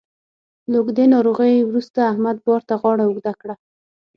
له اوږدې ناروغۍ وروسته احمد بار ته غاړه اوږده کړه